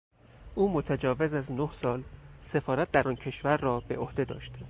او متجاوز از نه سال سفارت در آن کشور را به عهده داشت.